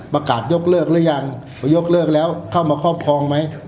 ประกาศยกเลิกหรือยังพอยกเลิกแล้วเข้ามาครอบครองไหม